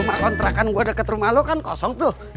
sama kontrakan gue deket rumah lo kan kosong tuh